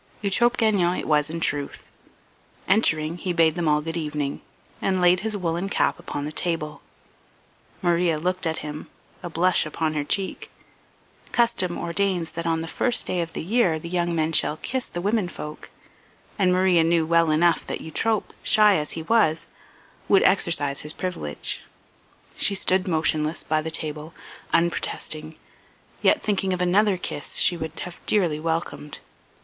Eutrope Gagnon it was in truth. Entering, he bade them all good evening, and laid his woollen cap upon the table. Maria looked at him, a blush upon her cheek. Custom ordains that on the first day of the year the young men shall kiss the women folk, and Maria knew well enough that Eutrope, shy as he was, would exercise his privilege; she stood motionless by the table, unprotesting, yet thinking of another kiss she would have dearly welcomed.